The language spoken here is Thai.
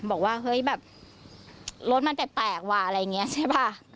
บอกว่าเฮ้ยแบบรถมันแปลกว่ะอะไรอย่างนี้ใช่ป่ะ